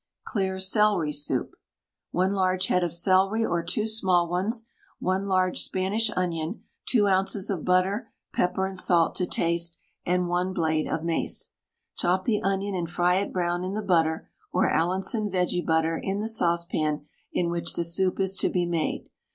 CLEAR CELERY SOUP. 1 large head of celery or 2 small ones, 1 large Spanish onion, 2 oz. of butter, pepper and salt to taste, and 1 blade of mace. Chop the onion and fry it brown in the butter or Allinson vege butter in the saucepan in which the soup is to be made.